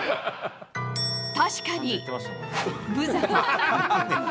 確かにぶざま。